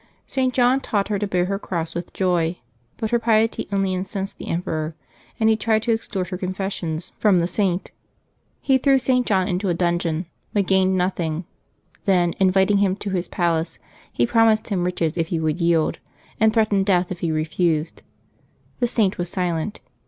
St. John taught her to bear her cross with joy; but her piety only incensed the emperor, and he tried to extort her confessic<;;'S from the 1B2 LIVES OF THE SAINTS [May 17 Saict He threw St. John into a dungeon, but gained nothi y; then, inviting him to his palace, he promised him riches if he would yield, and threatened death if he re fused. The Saint was silent.